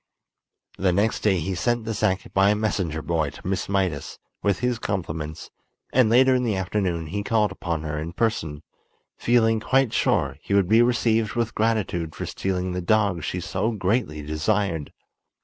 The next day he sent the sack by a messenger boy to Miss Mydas, with his compliments, and later in the afternoon he called upon her in person, feeling quite sure he would be received with gratitude for stealing the dog she so greatly desired.